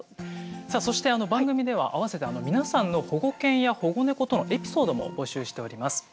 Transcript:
さあそして番組では併せて皆さんの保護犬や保護猫とのエピソードも募集しております。